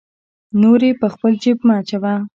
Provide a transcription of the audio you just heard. نورې په خپل جیب مه اچوه.